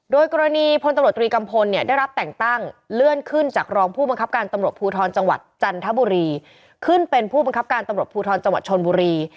โดยกรณีพลตำรวจรีกำพลเนี่ยได้รับแต่งตั้งเลื่อนขึ้นจากรองผู้บังคับการตำรวจภูทรจังหวัดจันทบุรี